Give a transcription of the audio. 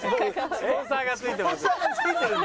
スポンサーがついてるんだ。